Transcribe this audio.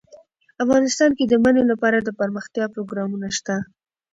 افغانستان کې د منی لپاره دپرمختیا پروګرامونه شته.